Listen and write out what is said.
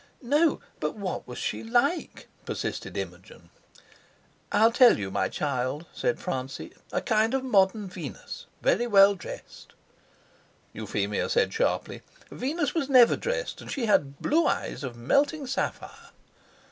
"No, but what was she like?" persisted Imogen. "I'll tell you, my child," said Francie; "a kind of modern Venus, very well dressed." Euphemia said sharply: "Venus was never dressed, and she had blue eyes of melting sapphire."